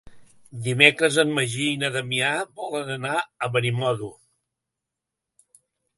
Dimecres en Magí i na Damià volen anar a Benimodo.